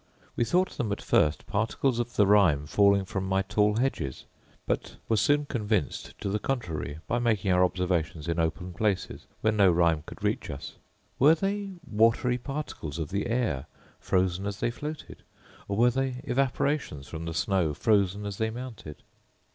We thought them at first particles of the rime falling from my tall hedges; but were soon convinced to the contrary, by making our observations in open places where no rime could reach us. Were they watery particles of the air frozen as they floated; or were they evaporations from the snow frozen as they mounted